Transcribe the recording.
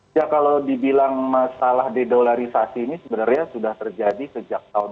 ya kalau dibilang masalah dedolarisasi ini sebenarnya sudah terjadi sejak tahun dua ribu